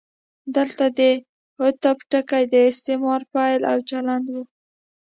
دلته د عطف ټکی د استعمار پیل او د چلند و.